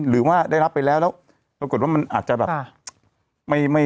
หรือว่าได้รับไปแล้วแล้วปรากฏว่ามันอาจจะแบบไม่